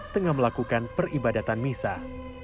tengah melakukan peribadatan misah